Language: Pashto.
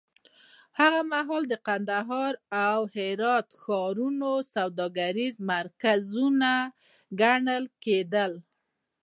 هغه مهال کندهار او هرات ښارونه سوداګریز مرکزونه ګڼل کېدل.